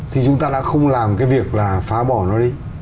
thì chúng ta đã không làm cái việc là phá bỏ nó đi